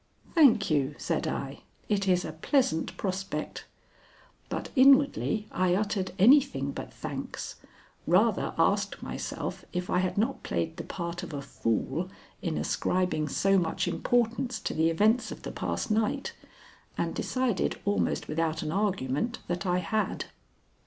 "Thank you," said I. "It is a pleasant prospect." But inwardly I uttered anything but thanks; rather asked myself if I had not played the part of a fool in ascribing so much importance to the events of the past night, and decided almost without an argument that I had.